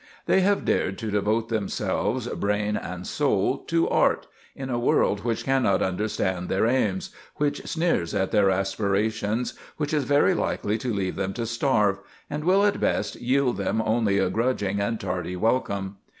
They have dared to devote themselves, brain and soul, to art, in a world which cannot understand their aims, which sneers at their aspirations, which is very likely to leave them to starve, and will at best yield them only a grudging and tardy welcome.